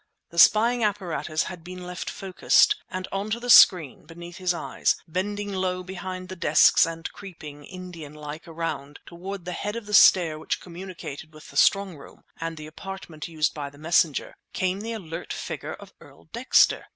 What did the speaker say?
The spying apparatus had been left focussed, and on to the screen beneath his eyes, bending low behind the desks and creeping, Indian like, around, toward the head of the stair which communicated with the strongroom and the apartment used by the messenger, came the alert figure of Earl Dexter!